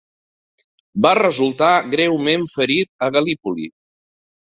Va resultar greument ferit a Gal·lípoli.